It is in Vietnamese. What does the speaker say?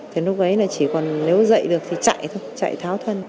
thì lúc ấy là chỉ còn nếu dậy được thì chạy thôi chạy tháo thân